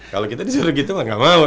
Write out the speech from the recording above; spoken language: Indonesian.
kalau kita disuruh gitu mah gak mau